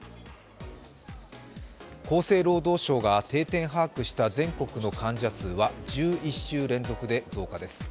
厚生労働省が定点把握した全国の患者数は１１週連続で増加。